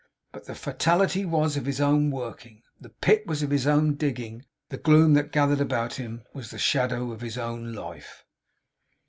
But the fatality was of his own working; the pit was of his own digging; the gloom that gathered round him was the shadow of his own life.